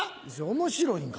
面白いんか？